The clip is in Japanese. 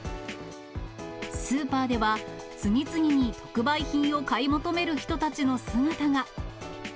スーパーでは、次々に特売品を買い求める人たちの姿が。